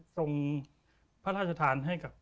ส่งพระราชทานให้กับ